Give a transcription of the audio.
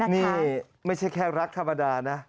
นี่ไม่ใช่แค่รักธรรมดานะ